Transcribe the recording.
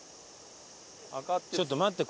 ちょっと待って。